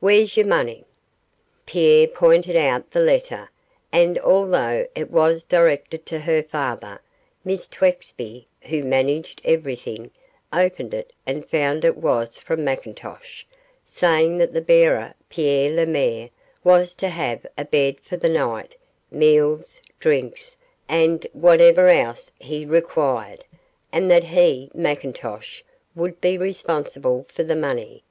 'Where's your money?' Pierre pointed out the letter, and although it was directed to her father, Miss Twexby, who managed everything, opened it and found it was from McIntosh, saying that the bearer, Pierre Lemaire, was to have a bed for the night, meals, drinks, and whatever else he required, and that he McIntosh would be responsible for the money.